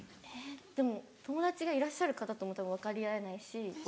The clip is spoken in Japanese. でも友達がいらっしゃる方ともたぶん分かり合えないし。